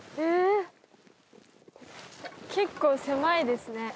結構狭いですね